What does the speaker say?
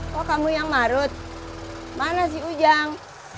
kok kamu yang marut mana si ujang